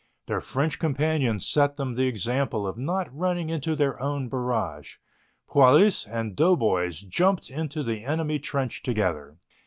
Their French companions set them the example of not running into their own barrage. Poilus and doughboys jumped into the enemy trench together.